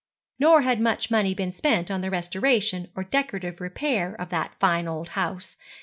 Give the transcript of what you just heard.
Nor had much money been spent on the restoration or decorative repair of that fine old house.